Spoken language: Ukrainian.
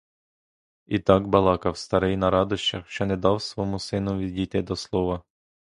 І так балакав старий на радощах, що не дав свому синові дійти до слова.